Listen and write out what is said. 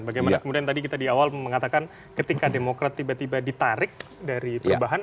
bagaimana kemudian tadi kita di awal mengatakan ketika demokrat tiba tiba ditarik dari perubahan